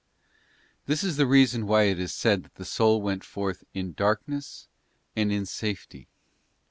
; This is the reason why it is said that the soul went forth 'in darkness and in safety.